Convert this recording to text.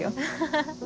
ハハハ。